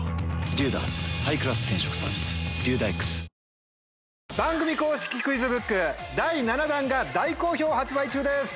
この問題に正解して番組公式クイズブック第７弾が大好評発売中です！